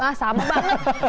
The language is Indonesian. ah sama banget